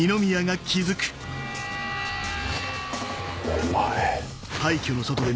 お前。